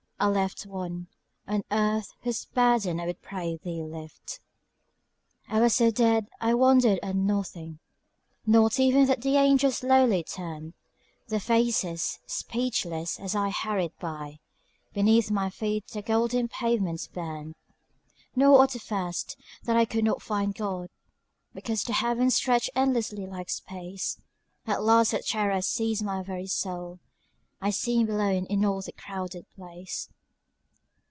I left one On earth, whose burden I would pray Thee lift." I was so dead I wondered at no thing, Not even that the angels slowly turned Their faces, speechless, as I hurried by (Beneath my feet the golden pavements burned); Nor, at the first, that I could not find God, Because the heavens stretched endlessly like space. At last a terror siezed my very soul; I seemed alone in all the crowded place.